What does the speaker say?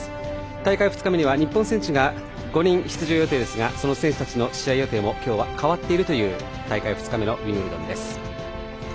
大会２日目には日本選手が５人出場予定ですがその選手たちの試合予定も今日は変わっているという大会２日目のウィンブルドンです。